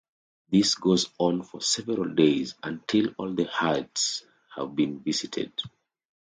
This goes on for several days until all the huts have been visited.